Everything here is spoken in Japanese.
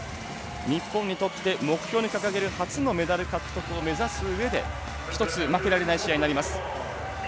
日本にとって、目標に掲げる初のメダル獲得を目指すうえでひとつ負けられない試合になります。